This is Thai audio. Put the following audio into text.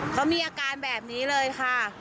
เขามีอาการแบบนี้เลยค่ะ